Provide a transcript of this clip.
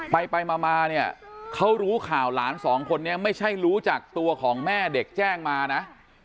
ไปไปมาเนี่ยเขารู้ข่าวหลานสองคนนี้ไม่ใช่รู้จากตัวของแม่เด็กแจ้งมานะ